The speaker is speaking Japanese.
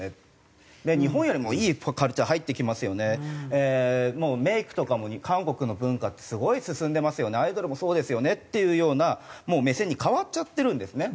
日本よりもいいカルチャー入ってきますよねメイクとかも韓国の文化ってすごい進んでますよねアイドルもそうですよねっていうような目線に変わっちゃってるんですね。